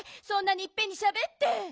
そんなにいっぺんにしゃべって。